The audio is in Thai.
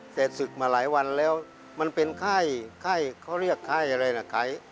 แต่ศึกมาหลายวันแล้วมันเป็นไข้ไข้เขาเรียกไข้อะไรล่ะไข้